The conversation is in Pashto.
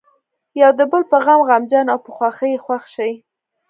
یو د بل په غم غمجن او په خوښۍ یې خوښ شي.